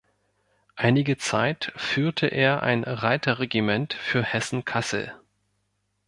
Einige Zeit führte er ein Reiterregiment für Hessen-Kassel.